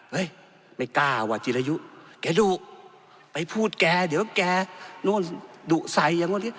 เฮ้ยไม่กล้าว่ะจิรยุแกดุไปพูดแกเดี๋ยวแกโน่นดุใส่อย่างนู้นนี้